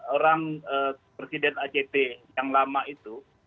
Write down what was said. orang presiden act yang lama itu